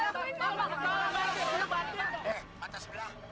eh mata sebelah